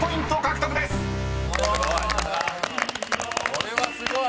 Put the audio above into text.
これはすごい。